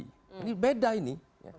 ini beda ini